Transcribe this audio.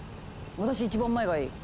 私一番前がいい！